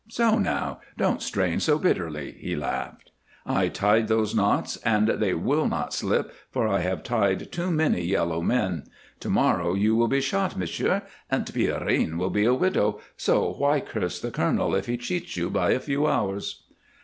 "So, now! Don't strain so bitterly," he laughed. "I tied those knots and they will not slip, for I have tied too many yellow men. To morrow you will be shot, monsieur, and Pierrine will be a widow, so why curse the colonel if he cheats you by a few hours?"